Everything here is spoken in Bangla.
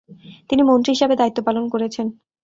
তিনি মন্ত্রী হিসেবে দায়িত্বপালন করেছেন।